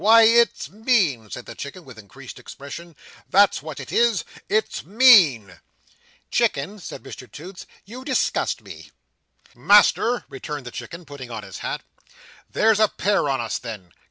Wy, it's mean," said the Chicken, with increased expression. "That's where it is. It's mean." "Chicken," said Mr Toots, "you disgust me." "Master," returned the Chicken, putting on his hat, "there's a pair on us, then.